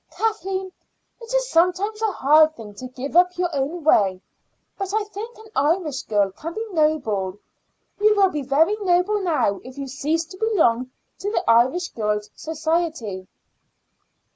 Kathleen, it is sometimes a hard thing to give up your own way, but I think an Irish girl can be noble. You will be very noble now if you cease to belong to the Irish Girls' Society."